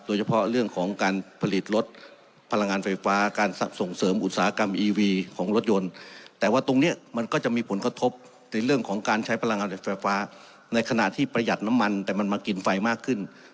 โดยเฉพาะเรื่องของการผลิตรถพลังงานไฟฟ้าการส่งเสริมอุตสาหกรรมอีวีของรถยนต์แต่ว่าตรงนี้มันก็จะมีผลกระทบในเรื่องของการใช้พลังงานไฟฟ้าในขณะที่ประหยัดน้ำมันแต่มันมากินไฟมากขึ้น